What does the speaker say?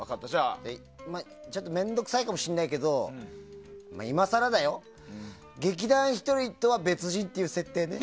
ちょっと面倒くさいかもしれないけど今更だけど劇団ひとりとは別人っていう設定ね。